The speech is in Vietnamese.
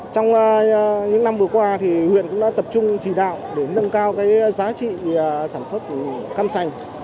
trong những năm vừa qua huyện cũng đã tập trung chỉ đạo để nâng cao giá trị sản phẩm cam sành